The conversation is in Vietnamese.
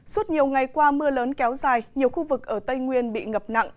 suốt nhiều ngày qua mưa lớn kéo dài nhiều khu vực ở tây nguyên bị ngập nặng